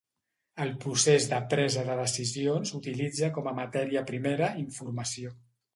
El procés de presa de decisions utilitza com a matèria primera informació.